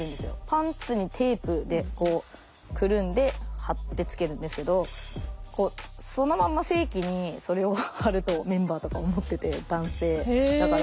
パンツにテープでこうくるんで貼ってつけるんですけどそのまんま性器にそれを貼るとメンバーとか思ってて男性。